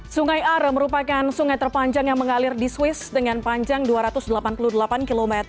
sungai are merupakan sungai terpanjang yang mengalir di swiss dengan panjang dua ratus delapan puluh delapan km